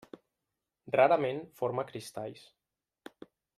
Rarament forma cristalls.